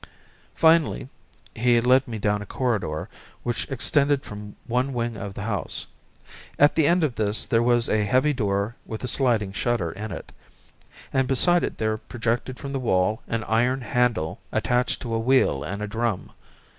Finally he led me down a corridor which extended from one wing of the house. At the end of this there was a heavy door with a sliding shutter in it, and beside it there projected from the wall an iron handle attached to a wheel and a drum.